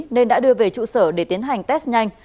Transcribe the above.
nên đã đưa về trụ sở để tiến hành test nhanh